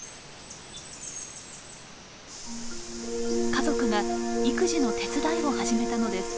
家族が育児の手伝いを始めたのです。